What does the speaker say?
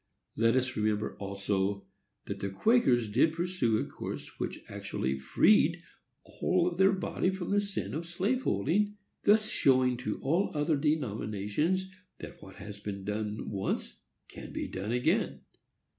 Let us remember, also, that the Quakers did pursue a course which actually freed all their body from the sin of slave holding, thus showing to all other denominations that what has been done once can be done again.